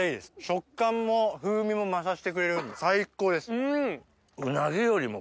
食感も風味も増さしてくれるんで最高です。